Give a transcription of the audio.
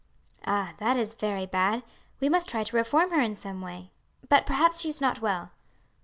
"Ah, that is very bad; we must try to reform her in some way. But perhaps she's not well."